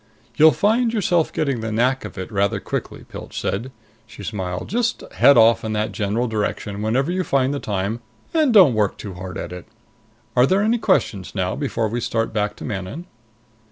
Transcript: "You'll find yourself getting the knack of it rather quickly," Pilch said. She smiled. "Just head off in that general direction whenever you find the time, and don't work too hard at it. Are there any questions now before we start back to Manon?"